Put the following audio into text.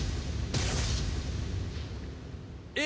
え！